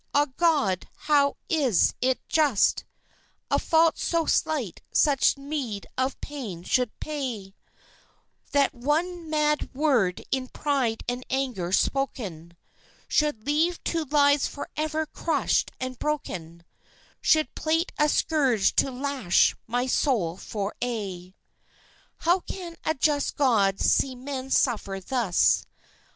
Ah, God, how is it just A fault so slight such meed of pain should pay, That one mad word in pride and anger spoken Should leave two lives forever crushed and broken, Should plait a scourge to lash my soul for aye? How can a just God see men suffer thus?